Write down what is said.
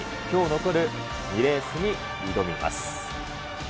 きょう残る２レースに挑みます。